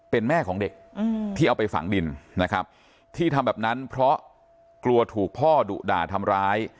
เป็นแม่ของเด็กที่เอาไปฝังดินนะครับที่ทำแบบนั้นเพราะกลัวถูกพ่อดุด่าทำร้าย